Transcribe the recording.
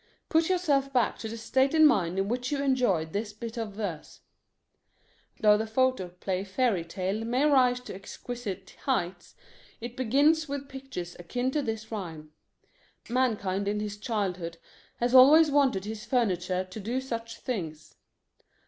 Put yourself back to the state of mind in which you enjoyed this bit of verse. Though the photoplay fairy tale may rise to exquisite heights, it begins with pictures akin to this rhyme. Mankind in his childhood has always wanted his furniture to do such things.